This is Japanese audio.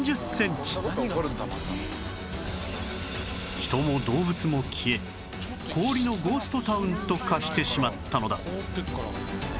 人も動物も消え氷のゴーストタウンと化してしまったのだ